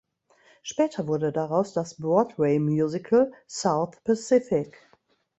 Später wurde daraus das Broadway-Musical "South Pacific".